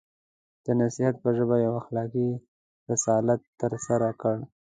د نصیحت په ژبه یو اخلاقي رسالت ترسره کړ.